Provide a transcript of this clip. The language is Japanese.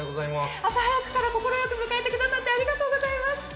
朝早くから快く迎えてくださってありがとうございます。